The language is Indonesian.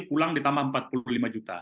pulang ditambah empat puluh lima juta